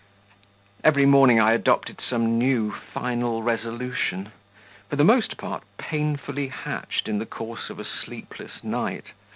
Every morning I adopted some new, final resolution, for the most part painfully hatched in the course of a sleepless night.